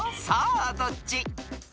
さあどっち？］